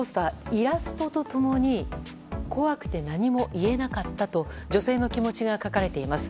イラストと共に怖くて何も言えなかったと女性の気持ちが書かれています。